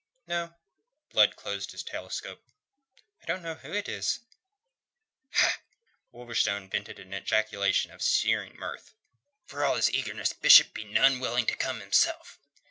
"No." Blood closed his telescope. "I don't know who it is." "Ha!" Wolverstone vented an ejaculation of sneering mirth. "For all his eagerness, Bishop'd be none so willing to come, hisself.